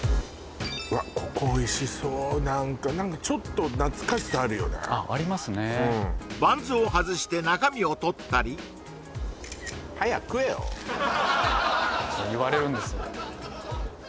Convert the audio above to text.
わっここおいしそう何かちょっと懐かしさあるよねあっありますねバンズを外して中身を撮ったり言われるんですよ